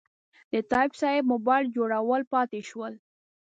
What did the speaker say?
د تایب صیب موبایل جوړول پاتې شول.